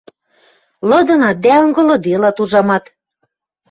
Лыдынат, дӓ ынгылыделат, ужамат.